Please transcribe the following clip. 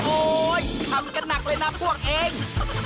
ทำกันหนักเลยนะพวกเอง